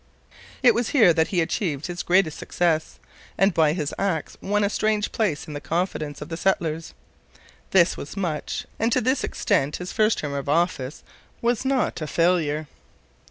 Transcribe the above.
It was here that he achieved his greatest success and by his acts won a strong place in the confidence of the settlers. This was much, and to this extent his first term of office was not a failure.